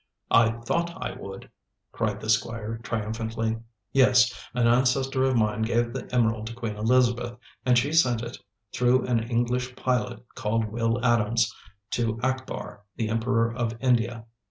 "I thought I would!" cried the Squire triumphantly. "Yes; an ancestor of mine gave the emerald to Queen Elizabeth, and she sent it, through an English pilot called Will Adams, to Akbar, the Emperor of India.